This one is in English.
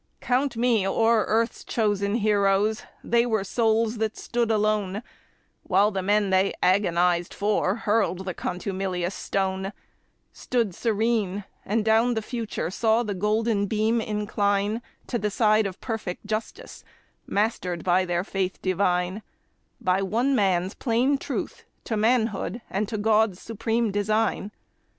Count me o'er earth's chosen heroes,—they were souls that stood alone, While the men they agonized for hurled the contumelious stone, Stood serene, and down the future saw the golden beam incline To the side of perfect justice, mastered by their faith divine, By one man's plain truth to manhood and to God's supreme design.